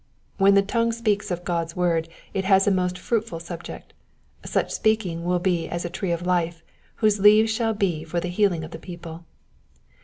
When the tongue speaks of God's word it has a most fruitful subject ; such speaking will be as a tree of life, whose leaves shall be for the healing of the people.